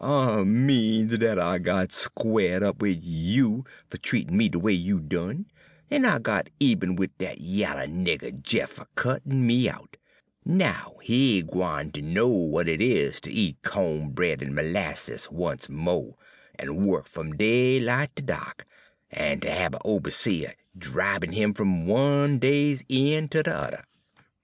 I means dat I got squared up wid you fer treatin' me de way you done, en I got eben wid dat yaller nigger Jeff fer cuttin' me out. Now, he's gwine ter know w'at it is ter eat co'n bread en merlasses once mo', en wuk fum daylight ter da'k, en ter hab a oberseah dribin' 'im fum one day's een' ter de udder.